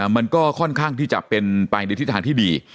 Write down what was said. มันก็ค่อนข้างที่จะเป็นไปในทิศทางที่ดี